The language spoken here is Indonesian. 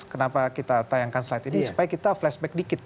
kenapa kita tayangkan slide ini supaya kita flashback dikit